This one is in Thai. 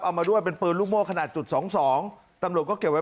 เอามาด้วยเป็นเปลือนรุ่นม่วงขนาดจุด๒๒ตำรวจก็เก็บไว้